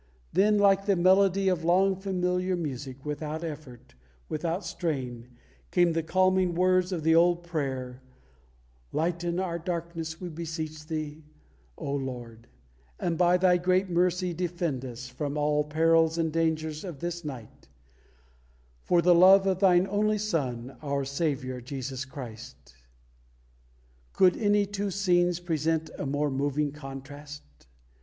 Then like the melody of long familiar music, without effort, without strain, came the calming words of the old prayer: "Lighten our darkness, we beseech Thee, O Lord; and by Thy great mercy defend us from all perils and dangers of this night; for the love of Thine only Son, our Saviour, Jesus Christ." Could any two scenes present a more moving contrast?